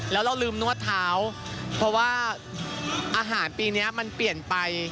แล้วเราลืมนวดเท้าเพราะว่าอาหารปีนี้มันเปลี่ยนไป